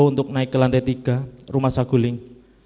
untuk naik ke lantai tiga rumah saguling